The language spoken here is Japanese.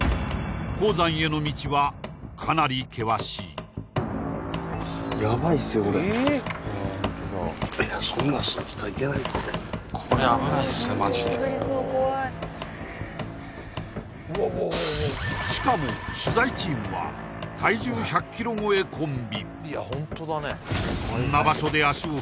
鉱山への道はかなり険しいしかも取材チームは体重１００ｋｇ超えコンビ